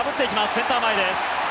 センター前です。